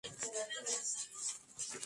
Grasshopper-Club Zürich ganó el campeonato.